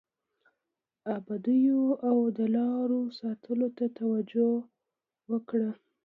ابادیو او د لارو ساتلو ته توجه وکړه.